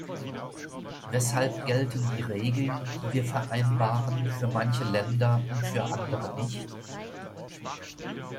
Weshalb gelten die Regeln, die wir vereinbaren, für manche Länder und für andere nicht?